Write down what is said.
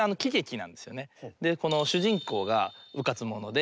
この主人公がうかつ者で。